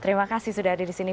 terima kasih sudah ada di sini